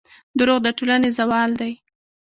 دروغ د ټولنې زوال دی.